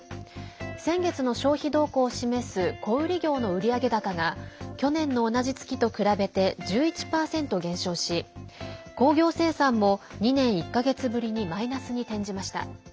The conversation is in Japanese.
先月の消費動向を示す小売業の売上高が去年の同じ月と比べて１１％減少し工業生産も２年１か月ぶりにマイナスに転じました。